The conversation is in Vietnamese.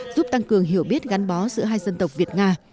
giúp tăng cường hiểu biết gắn bó giữa hai dân tộc việt nga